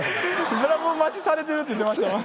「ブラボー待ちされてる」って言ってましたもん。